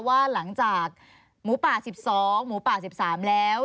ว่าหลังจากหมูป่า๑๒หมูป่า๑๓แล้ว